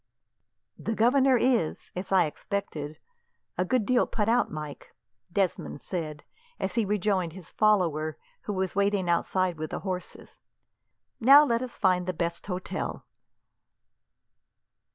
"The governor is, as I expected, a good deal put out, Mike," Desmond said as he rejoined his follower, who was waiting outside with the horses. "Now, let us find out the best hotel."